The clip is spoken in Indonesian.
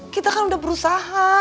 kita kan udah berusaha